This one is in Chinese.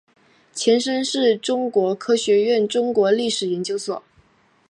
前身是中国科学院中国历史研究所。